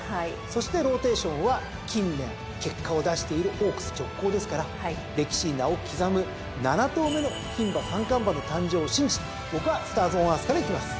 そしてローテーションは近年結果を出しているオークス直行ですから歴史に名を刻む７頭目の牝馬三冠馬の誕生を信じて僕はスターズオンアースからいきます！